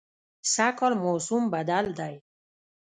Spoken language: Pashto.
سږکال موسم بدل دی